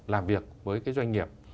làm việc với cái doanh nghiệp